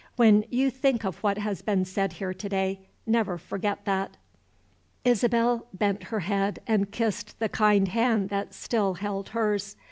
When you think of what has been said here to day, never forget that." Isabel bent her head, and kissed the kind hand that still held hers.